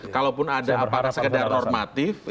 kalaupun ada apakah sekedar normatif